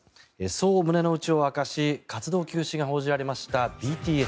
そう胸の内を明かし活動休止が報じられましたＢＴＳ。